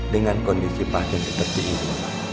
dengan kondisi pasien seperti ini